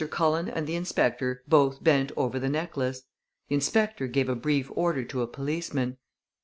Cullen and the inspector both bent over the necklace. The inspector gave a brief order to a policeman.